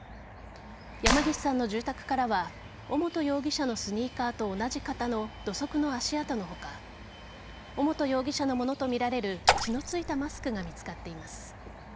山岸さんの住宅からは尾本容疑者のスニーカーと同じ型の土足の足跡の他尾本容疑者のものとみられる血の付いたマスクが見つかっています。